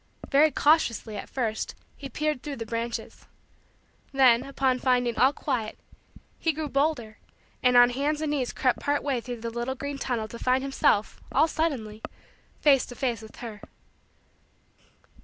Very cautiously, at first, he peered through the branches. Then, upon finding all quiet, he grew bolder, and on hands and knees crept part way through the little green tunnel to find himself, all suddenly, face to face with her.